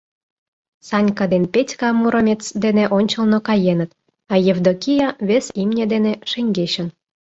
Санька ден Петька Муромец дене ончылно каеныт, а Евдокия вес имне дене — шеҥгечын.